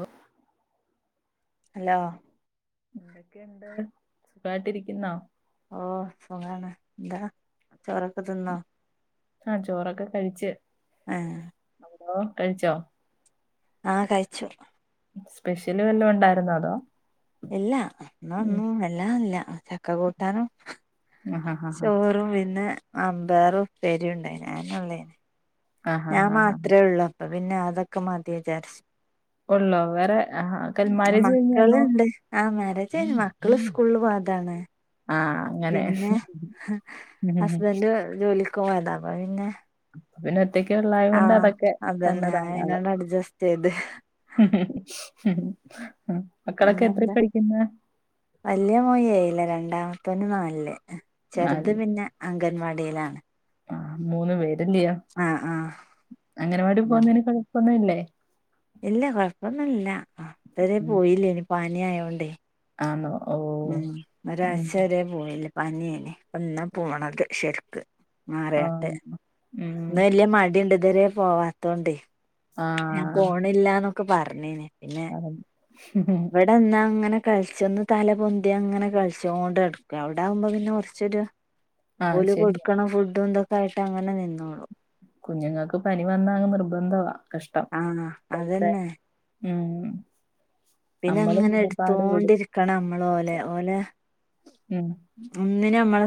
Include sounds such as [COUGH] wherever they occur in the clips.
ഓ- hello- എന്തൊക്കെയുണ്ട് സുഖായിട്ടിരിക്കുനോ- ഓഹ് സുഖാണ് എന്താ- ചോറെക്കെ തിന്നോ? ആഹ് ചോറൊക്കെ കഴിച്ച്- ആഹ് - [INAUDIBLE] കഴിച്ചോ? ആഹ് കഴിച്ചു- സ്പെഷ്യല് വല്ലോം ഉണ്ടായിരുന്നോ അതോ - ഇല്ല ഇന്ന് ഒന്നു എല്ലാം ഇല്ല ചക്ക കൂട്ടാനും- ആഹാഹാഹാ ചോറും പിന്നെ മന്പയർ ഉപേരിയും ഉണ്ടായിന് അയെന്ന ഞാൻ ആഹാഹാഹാ മാത്രേ ഉള്ളൂ അപ്പ പിന്നെ അതൊക്കെ മതി വിചാരിച്ചു- ഉള്ളോ വേറെ ആഹ് കൽ മാരേജ് കഴിഞ്ഞ ഇന്നോ? ആഹ് മാരേജ് കഴിഞ്ഞ് മക്കള് സ്കൂളിൽ പോയതാണ്- ആഹ് ആഹ് പിന്നെ ഹസ്ബൻ്റ് ജോലിക്ക് പോയതാ പിന്നെ- പിന്നെ ഒറ്റക്കുളായത് ആ കൊണ്ട് അതൊക്കെ തന്നെ അതന്നെ ധാരാളം- അയിനോട് അഡ്ജസ്റ്റ് ചെയ്ത് ഉം. മക്കളൊക്കെ എത്രയിൽ പിന്നെന്താ പഠിക്കുന്ന് വലിയ മോൻ ഏഴിലാ രണ്ടാമത്തൊൻ നാലില് ചെറുത് നാല് പിന്നെ അംഗൻവാടിയിലാണ് ആഹ് മൂന്നു പേരില്ലിയോ ആഹ് ആഹ് അംഗവാടി ഉം പോവുന്നതിന് കൊഴപ്പൊന്നില്ലേ? ഇല്ല കൊഴപ്പം ഒന്നുമില്ല ഇപ്പ ദേ പോയില്ലേനി പനി അയോണ്ടേ- ആണോ? ഓ ഉം ഉം ഒരാഴ്ച വരേ പോയില്ല പനിയായിൻ ഇന്നാ പോണത് ശരിക്ക്- ആ മാറിയിട്ട് ഉം ഇന്ന് വല്യ മടിയുണ്ട് ഇതുവരെ പോവാത്തോണ്ട്- ആ ഞാൻ പോണില്ലന്നൊക്കെ പറഞ്ഞിന് പിന്നെ [UNINTELLIGIBLE] ഉം. ഇവിടെ നിന്നാൽ അങ്ങനെ കളിച് ഒന്ന് തല പൊന്തി അങ്ങനെ കളിച്ചോണ്ട് ന ടുക്കും അവിടെ ആവൂമ്പോ കുറച്ചൊരു ആഹ് ഓല് ശരിയാ കൊടുക്കണ ഫുഡും എന്തൊക്കെ ആയിട്ട് അങ്ങനെ നിന്നോള്ളു കുഞ്ഞുങ്ങൾക്ക് പനി വന്നാ അങ്ങ് നിർബന്ധവാ കഷ്ടം ആഹ് ഇപ്പോൾത്തേ അതന്നെ ഉം പിന്നെ നമ്മളും അങ്ങനെ പാട് പെടും എടുത്തോണ്ടിരിക്കണം നമ്മൾ ഓലെ ഓലെ ഉം ഒന്നിന്നും നമ്മളെ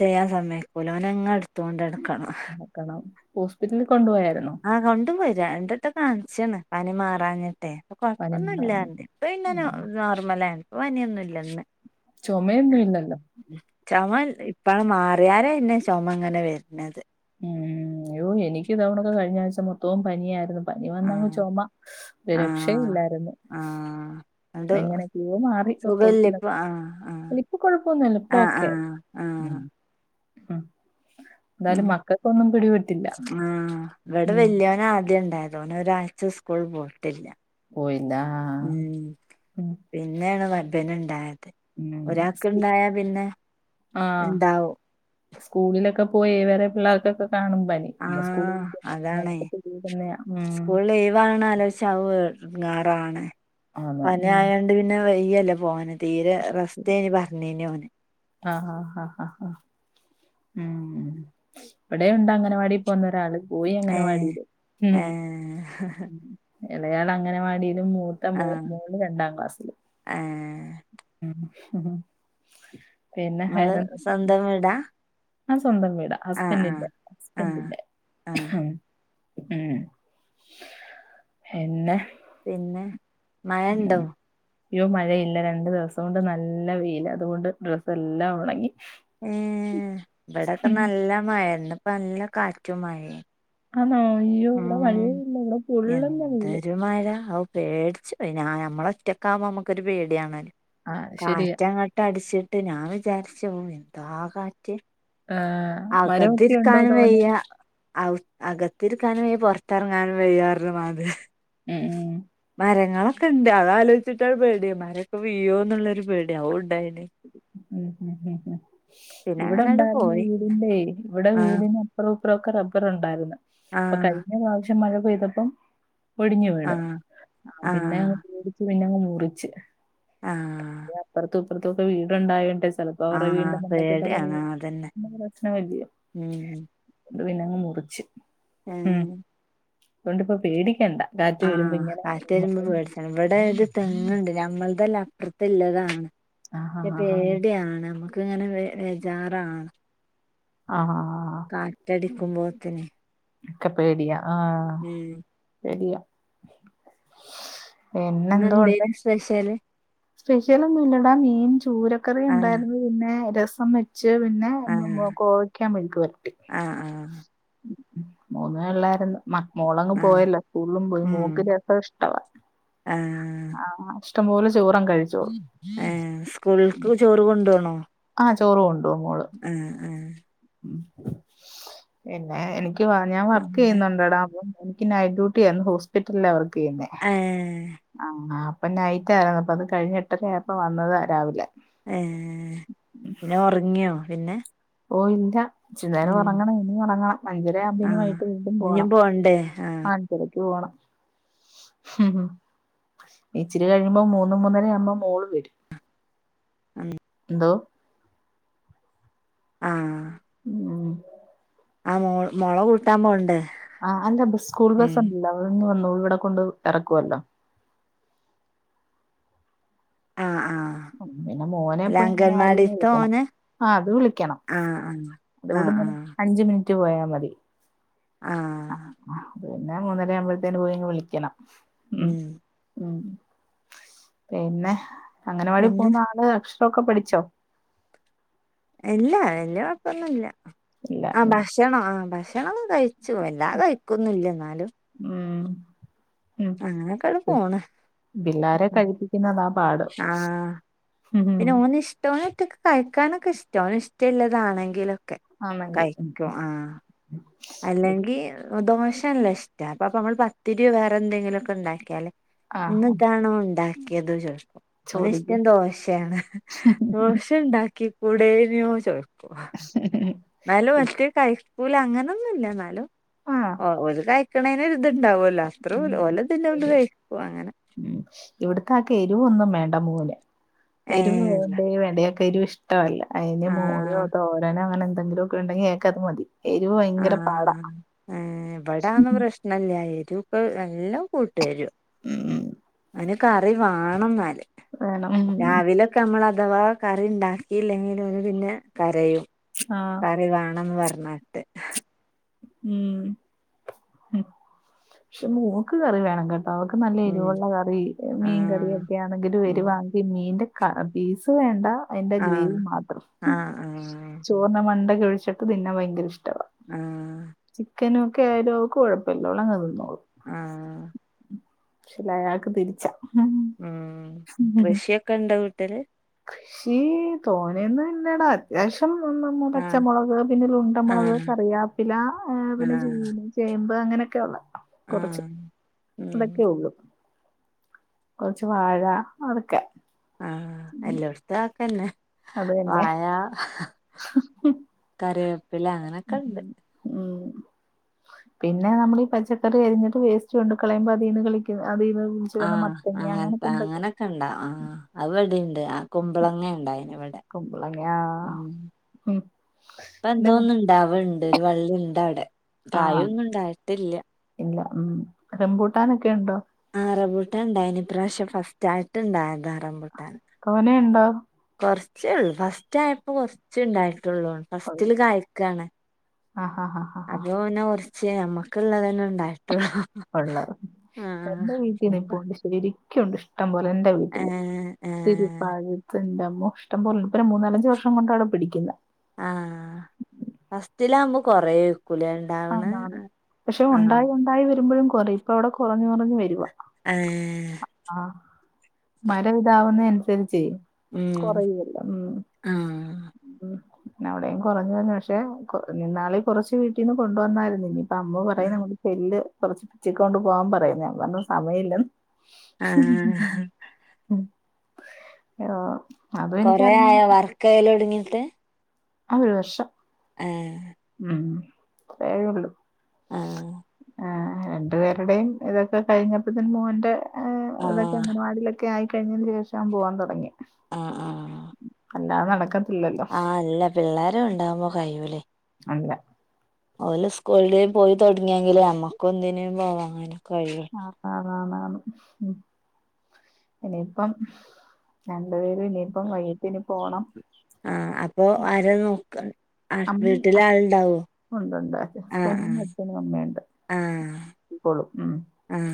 ചെയ്യാൻ സമയക്കൂല ഓനങ്ങനെ എടുത്തൊണ്ട് നടക്കണം. [UNINTELLIGIBLE] ഹോസ്പിറ്റലിൽ കൊണ്ടുപോയായിരുന്നോ? ആ കൊണ്ടുപോയി രണ്ട് വട്ടം കാണിച്ച്ണ് പനി മാറാഞ്ഞിട്ടെ പനി കൊഴപ്പൊന്നുല്ല മാറാനായിട്ട് ഇപ്പ ഇന്ന് ഉം നോർമല ആണ് ഇപ്പ പനിയൊന്നും ഇല്ല ചുമയൊന്നും ഇല്ലല്ലോ? ചുമ ഇപ്പഅങ്ങ് മാറി [UNINTELLIGIBLE] പിന്നെ ചുമങ്ങനെ വരുന്നത് ഉം അയ്യോ എനിക്ക് ഇത് കണക്ക് കഴിഞ്ഞ ആഴ്ച മൊത്തവും പനിയായിരുന്നു. പനി വന്നങ്ങ് ആഹ് ചുമ ഒരു രക്ഷയും ഇല്ലായിരുന്നു. ആഹ് ഇങ്ങട്ട് മാറി സുഖമില്ല ഇപ്പം ഹോസ്പിറ്റലൊക്കെ ആഹ ആഹ ഇപ്പൊ ആഹ ആഹ് ആഹ് ഉ ഉം എന്തായാലും മക്കൾക്കൊന്നും പിടിപെട്ടില്ല ആഹ് ഇവിടെ ഉം വല്യോന ആദ്യം ഉണ്ടായത് ഓന് ഒരാഴ്ച സ്കൂൾ പോയിട്ടില്ല. പോയിതാ ഉം ഉ പിന്നെയാണ് മറ്റൊന് ഉണ്ടായത് ഉം ഒരാക്ക്ണ്ടായ പിന്നെ ആഹ് ഉണ്ടാവും. സ്കൂളിലൊക്കെ പോയി വേറെ പിള്ളേർക്കൊക്കെ കാണും പനി നമ്മള് സ്കൂളിൽ ആഹ ഇരിക്കുമ്പോ അതാണ് അങ്ങനൊക്കെ പിടിക്കുന്നയാ ഉം സ്കൂൾ ലീവാണ് ആലോച ച എടാങ്ങാറാണ് ആന്ന് പനി ഉം ആയണ്ട് പിന്നെ വൈകി അല്ലെ പോവാണ് തീരെ റസ്റ്റെനി പറഞ്ഞീൻ ഓര് ആഹ് ഹ ഹ ഹ ഉം ഇവിടെ ഉണ്ട് അംഗനവാടി പോന്ന ഒരാള് പോയി ഏഹ് അംഗനവാടിയില് ഏഹ് ഇലയാൾ അഗനവാടിയിലും മൂത്ത മോൻ രണ്ടാം ക്ലാസ്സില് ആഹ് പിന്നെ വേറെന്തൊക്കെയ [UNINTELLIGIBLE] ടാ ആ സ്വന്തം വീടാ ഹസ്‌ബൻ്റിൻ്റെ ആഹ് ഹസ്‌ബൻ്റിൻ്റെ ആഹ് ഉം പിന്നെ പിന്നെ മഴ ഉണ്ടോ? അയ്യോ മഴയില്ല രണ്ടു ദിവസം കൊണ്ട് നല്ല വെയിൽ അതുകൊണ്ട് ഡ്രസ്സ് എല്ലാം ഉണങ്ങി. ഏ ഇവിടെൊക്കെ നല്ല മഴ ഇന്ന്പ്പ നല്ല കാറ്റു മഴ ആണോ അയ്യോ ഇവിടെ മഴഇല്ലല്ലോ ഇവിടെ പൊള്ളുന്ന വെയിൽ മയ ആവു പേടിച്ച് നമ്മള് ഒറ്റകാവുമ്പോ നമുക്കൊരു പേടിയാണല്ലോ ആ ശരിയാ. കാട്ടങ്ങടിച്ചിട്ട് ഞാൻ വിചാരിച്ചു എന്തോ ആ കാറ്റ് ആഹ് അകതിരിക്കാനും വയ്യ അകത്തിരിക്കാനും വെയ്യാ പുറത്തിറങ്ങാനും വെയ്യാ [UNINTELLIGIBLE] ഉം ഉം മരങ്ങളൊക്കെ ഉണ്ട് അത് ആലോചിച്ചിട്ടാ പേടി മരക്കെ വീയോ എന്നുള്ളൊരു പേടി അതും ഉണ്ടായിന് ഉ ഉ ഉ ഉ പിന്നെ ഇവിടെ അങ്ങനെട് ഉണ്ടായിരുന്ന പോയി വീടിന്റെ ഇവിടെ ആഹ് വീടിന് അപ്പുറവുംഇപ്പറവും ഒക്കെ റബ്ബർണ്ടായിരുന്നു അപ്പൊ ആഹ് കഴിഞ്ഞ പ്രാവശ്യം മഴ പെയ്തപ്പം ഒടിഞ്ഞു വീണ് ആഹ് ആ പിന്നെ അങ് ആഹ് മുറിച്ചു പിന്നെ അങ്ങ് മുറിച്ച് ആഹ് അപ്പറത്തുപ്പുറത്തും ഒക്ക വീട്ണ്ടായ തോണ്ട് ചിലപ്പോ റെ വീണ്ട ആഹ് മണ്ടക്കട്ടൊ പേടിയാണ് അതന്നെ [UNINTELLIGIBLE] പ്രശ്നം വരില്ല ഉം അത് പിന്നെ അങ്ങ് മുറിച്ച് ഏഹ് അതുകൊണ്ട് ഇപ്പൊ പേടിക്കണ്ട. കാറ്റ് ആഹ് വരുമ്പോ ഇങ്ങനെ. കാറ്റ് വരുബ പേടിച്ചണം ഇവിടെ ഒരു തെങ്ങണ്ട് നമ്മൾതെല്ലാ അപ്രത്തുള്ളതാണ് ആഹാ. ആഹാ. പേടിയാണ് നമ്മുക്ക് ഇങ്ങനെ വേജാറാണ് ആഹ് കാറ്റടിക്കുമ്പോത്തിന് ഒക്കെ പേടിയാ ആഹ് ഉം പേടിയാ ഇന്ന് എന്തെനു സ്പെഷല് സ്പെഷ്യൽ ഒന്നുല്ലടാ മീൻ ചൂരക്കറി ആഹ് ഉണ്ടാരുന്നു പിന്നെ രസം വെച്ച് പിന്നെ ആഹ് [UNINTELLIGIBLE] കോവക്കാ മെഴുക്കുപുരട്ടി ആഹ് ആഹ് മൂന്നേ ഒള്ളാരുന്നു മ മോളങ്ങ് ആഹ് പോയല്ലൊ സ്കൂളും പോയി ഉം മോക്ക് രസാഇഷ്ടവാ ആഹ് ആഹ് ഇഷ്ടംപോലെ ചോറങ്ങ് കഴി ഏഹ് സ്കൂളിൽക്ക് ചോറ് കൊണ്ടോണോ ആഹ് ചോറു കൊണ്ടോവും മോള് ആഹ് ആഹ് പിന്നെ എനിക്ക് ഞാൻ വർക്ക് പിന്നെ ചെയ്യുന്നുണ്ട്ടാ അപ്പം എനിക്ക് നൈറ്റ്ഡ്യൂട്ടിയാ ഇന്ന് ഹോസ്പിറ്റലാ വർക്ക് ചെയ്യുന്നേ ഏഹ് ആഹ് അപ്പം നൈറ്റാരുന്നു അപ്പ അത് കഴിഞ്ഞ് എട്ടര ആയപ്പോ വന്നതാ രാവിലെ ഏഹ് പിന്നെ ഒറങ്ങിയോ പിന്നെ ഓഹ് ഇല്ല ഇച്ചിരി നേരം ഉം ഒറങ്ങണം ഇനി ഒറങ്ങണം അഞ്ചരയാകുമ്പൊ ഇനി ആഹ് വൈട്ട് വീണ്ടും ഇഞ്ഞും പോണം പോണ്ടേ ആഹ് അഞ്ചരയ്ക്ക് പോണം ഇച്ചിരി കഴിയുമ്പോ മൂന്നുമൂന്നര ആകുമ്പോ മോള് വരും [UNINTELLIGIBLE] എന്തോ ആഹ് ഉം ആഹ് മോള് മോളെ കൂട്ടാ പോണ്ടേ ആഹ് അല്ല ബസ് സ്കൂൾ ബസ് ഉം ഒണ്ടല്ലോ അവളിങ്ങ് വന്നോളും ഇവിടെ കൊണ്ട് എറക്കുവല്ലോ ആഹ് ആഹ് പിന്നെ അല്ല മോനെപ്പോയി അംഗനവാടീന്ന് അംഗൻവാടിത്തെ വിളിക്കണം ഓന് ആഹ് അത് വിളിക്കണം ആഹ് അത് ആഹ് ഇവടുന്ന് ആഹ് ആഹ് അഞ്ച് മിനി റ്റ് പോയാ മതി ആഹ് അതുപിന്നെ മൂന്നര ആവുമ്പോഴത്തേന് പോയി അങ്ങ് വിളിക്കണം ഉം ഉം പിന്നെ അംഗനവാടി പിന്നെ പോന്ന ആള് അക്ഷരൊക്കെ പഠിച്ചോ ഇല്ല വല്യ കൊഴപ്പൊന്നുവില്ല ഇല്ല ആഹ് ഉം ഭ [UNINTELLIGIBLE] ആഹ് ഭക്ഷണം കഴിച്ചു എല്ലാം കഴിക്കൊന്നില്ല എന്നാലും ഉം ഉം അങ്ങനൊക്കെട് [UNINTELLIGIBLE] പോണ് ബില്ലാരെ കഴിപ്പിക്കുന്നതാ പാട് ആഹ് ഉം പിന്നെ ഓന് ഇഷ്ട [UNINTELLIGIBLE] കഴിക്കാനൊക്കെ ഇഷ്ടാ ഓന് ഇഷ്ടള്ളതാണെങ്കിലോ ക്കേ ആന്നെങ്കി കഴിക്കും ആഹ് അല്ലെങ്കി ദോശ നല്ല ഇഷ്ടാ അപ്പോപ്പാ നമ്മള് പത്തിരിയോ വേറെ എന്തെങ്കിലൊക്കെ ണ്ടാക്കിയാല് ആഹ് ഇന്ന്താണോ ഉണ്ടാക്കിയെത് ചോ ഓന് ചോദിക്കും ഇഷ്ടം ദോശയാണ് ദോശ ഇണ്ടാക്കി കൂടെനോ ചോദി പോവാ [UNINTELLIGIBLE] എന്നാലും മറ്റേ കയിക്കുലാ അങ്ങനൊന്നൂല്ല എന്നാലും ആഹ് ഓഹ് ഒരു ക ക്കണേന് ഒരു ഇണ്ടാവല്ലോ അത്ര ഉം ഓല് [UNINTELLIGIBLE] കൊണ്ട് കഴിക്കും അങ്ങനെ ഉം ഇവടത്തെ ആക്കെ എരിവൊന്നും വേണ്ട മോന് എരിവ് ഏഹ് വേണ്ടേ വേണ്ട ഇയാക്ക് എരിവ് ഇഷ് ട്ടവല്ല അയിന് മോരോ ആഹ് തോരനോ അങ്ങനെ എന്തെങ്കിലോക്കെ ഉണ്ടെങ്കി അയാക്കത് മതി എരിവ് ഭയങ്കര പാടാ ആഹ് ഇവിടതൊന്നും പ്രശ്നല്ല എരിവൊക്കെ നല്ലോം കൂട്ടും എരിവ് ഉം [UNINTELLIGIBLE] കറി വേണം എന്നാല് വേണം ഉം രാവിലെ നമ്മൾ അഥവാ കറി ഉണ്ടാക്കിയില്ലെങ്കില് ഇവര്പിന്നെ കരയും ആഹ് കറി വേണംന്ന് പറഞ്ഞിട്ട് ഉം പക്ഷെ മോക്ക് കറി വേണം കേട്ട അവൾക്ക് നല്ല ഉം എരിവുള്ള കറി മീൻ കറി ആഹ് ഒക്കെ ആണെങ്കിലും ഉം വരുവാ മീനിന്റെ ക പീസ് വേണ്ട അതിന്റെ ഗ്രേവി ആഹ് മാത്രം. ആഹ് ആഹ് ചോർണ്ണ മണ്ടക്ക് ഒഴിച്ചിട്ട് തിന്നാൻ ഭയങ്കര ഇഷ്ടവാ ഉം ചിക്കനും ഒക്കെ ആയാലും ഓക്ക് കൊഴപ്പല്ല ഓളങ്ങ് തിന്നോളും ആഹ് പക്ഷെയാൾക്ക് തിരിച്ചാ ഉം കൃഷിയൊക്കെ ഇണ്ടോ വീട്ടില്. കൃഷി തോനെയൊന്നും ഇല്ലടാ ലേശം നമ്മ ആഹ് പച്ചമുളക് പിന്നെ ഉണ്ടമുളക് ആഹ് കറിയാപ്പില പിന്നെ ആഹ് ചീനി ചേമ്പ് അങ്ങനെയൊക്കയുള്ള കുറച്ച് അതൊക്കെ ആഹ് ഒള്ളു കുറച്ച് വാഴ അതൊക്കെ. ആഹ എല്ലോടത്തും ആക്കന്നെ അത് തന്നെ. വാഴ ഹമ്മ്മ് കറിപ്പില ഉം പിന്നെ നമ്മൾ ഈ പച്ചക്കറി അരിഞ്ഞിട്ട് വേസ്റ്റ് കൊണ്ട് കളയ്പ്പോ അതിൽന്ന് കിളർക്ക്‌ അതീന്നു ചുവന്ന മത്തങ്ങ അങ്ങനൊക്കെ [UNINTELLIGIBLE] ഉണ്ടാ ആഹ് അതിവിടെയുണ്ട് കുമ്പളങ്ങ ണ്ടായിന് ഇവിടെ കുമ്പളങ്ങ ഉം ഉം ഇപ്പ ഇല്ല എന്തോന്നന്ന് ണ്ടാവണ്ട് ഒരു വള്ളിണ്ടവിടെ ആഹ് കായയൊന്നും ഉണ്ടായിട്ടില്ല ഇല്ല ഉം റമ്പൂട്ടാനൊക്കെ ഉണ്ടോ? ആ റംബൂട്ടാൻ ഉണ്ടായിനി ഈ പ്രാവശ്യം ഫസ്റ്റ് ആയിട്ട്ണ്ടായതാ റംബുട്ടാൻ തോനെണ്ടോ കൊറച്ചേള്ളൂ ഫസ്റ്റ് ആയപ്പോ കൊറച്ചേ ഉണ്ടായിട്ടുള്ളൂ ഫസ്റ്റില് കായ്ക്കാണ് ആഹ് ആ ആ അതോന്നോ കുറച്ചേ നമ്മക്ക ഉള്ളതന്നെ ഉണ്ടായിട്ടുള്ളു. ഉള്ളത് എന്റെ വീട്ടിൽ ഇനിപ്പ നിൽപ്പുണ്ട് ശെരിക്കുണ്ട് ഇഷ്ടം പോലെ എന്റെ വീട്ടില് ഏഹ് ഏഹ് തിരുപ്പാഴത്തിന്റെമ്മോ ഇഷ്ടംപോലെ ഇപ്പൊ ഒരു മൂന്നാലഞ്ചു വർഷം കൊണ്ടാടോ പിടിക്കില്ല ആഹ് ഫസ്റ്റ്ലാവുമ്പോ കൊറയർക്കുല്ലേ ആണ് പക്ഷെ ഉണ്ടായി ഉണ്ടായി വരുമ്പോഴും കുറയും ഇപ്പ അവിടെ കുറഞ്ഞു കുറഞ്ഞ് വരുവാ ഏഹ് ആ മര ഇതാവുന്നെനുസരിച്ച് ഉം കൊറയുവല്ലോ ഉം ആഹ് ഉം അവിടയും കുറഞ്ഞു വന്നു പക്ഷെ കൊഞ്ഞുന്നാളി കുറച്ച് വീട്ടിൽന്ന് കൊണ്ടുവന്നായിരുന്നു ഇനി അമ്മ പറയും നമ്മള് ചെല്ല് കുറച്ച് പിച്ചി ക്കൊണ്ട് പോകവാൻ പറയും ഞാൻ പറഞ്ഞ സമയമില്ല ഹും ആഹ് ഹും യ്യോ കൊറെ ആയ വർക്കക്കെയല് ഒടുങ്ങിട്ട് ആ ഒരു വർഷം. ആഹ്‌ മ്മ് കൊറെയൊള്ളൂ ആഹ് ആഹ് രണ്ടു പേരുടെയും ഇതൊക്കെ കഴിഞ്ഞപ്പത്തിന് മോന്റെ ഏഹ് ഇതൊക്കെ ആഹ് അംഗനവാടീലെ ക്കെ ആയിക്കഴിഞ്ഞതിന് ശേഷാ ഞാൻ പോവാൻ തൊടങ്ങിയെ ആഹ് ആഹ്. അല്ലാതെ നടക്കത്തി ആഹ് അല്ല പിള്ളേര് ഉണ്ടാവുമ്പോ കഴിയൂലെ അല്ല ഓല് സ്കൂളില് പോയി തൊടങ്ങിയെങ്കിലെ നമ്മക്കൊന്തിനും പോവാനിങ്ങനെ കഴിയൊ ആഹ് ആന്നാന്നാന്നു ഉം ഇനിയിപ്പം രണ്ടു പേരും ഇനിയിപ്പം വൈകിട്ട് ഇനി പോണം ആഹ അപ്പൊ ആര നോക്ക വീട്ടില് ആളുണ്ടാവോ ഉണ്ട്ണ്ട് ആഹ് ഹസ്ബൻഡും അച്ഛനും അമ്മയുണ്ട് ആഹ് നോക്കിക്കോളും ഉം ആഹ്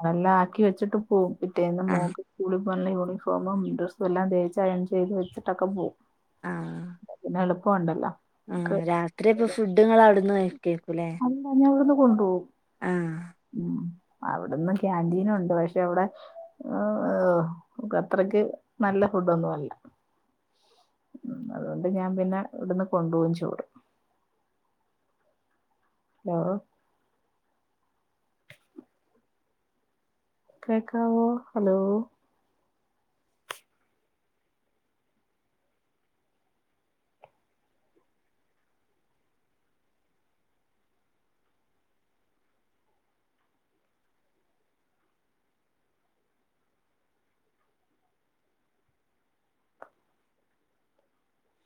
അതെല്ലാം ആക്കി വെച്ചിട്ട് പോവും പിറ്റേന്ന് ആഹ് ആഹ് മോക്ക് സ്കൂളിൽ പോകാനുള്ള യൂണിഫോമും ഡ്രസ്സും എല്ലാം തേച്ച് അയൺ ചെയ്ത് വെച്ചിട്ടൊക്കെ പോവും ആഹ് പിന്നെ എളുപ്പൊണ്ടല്ലോ ആഹ് രാത്രിയപ്പ ഫുഡ്‌ നിങ്ങള് അവിടുന്ന് കഴിക്കുവാരിക്കുല്ലേ അല്ല ഞാൻ ഇവിടുന്നു കൊണ്ടുപോവും ആഹ് ഉം അവിടന്ന് ക്യാന്റീനൊണ്ട് പക്ഷെ അവിടെ ഓഹ് അത്രയ്ക്ക് നല്ല ഫുഡ്ഡൊന്നും ഒന്നും അല്ല ഉം അതുകൊണ്ട് ഞാൻ പിന്നെ ഇവിടുന്ന് കൊണ്ടു പോകും ചോറ് ഹലോ കേക്കാവോ ഹലോ